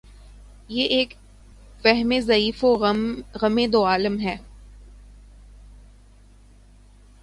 کہ ایک وہمِ ضعیف و غمِ دوعالم ہے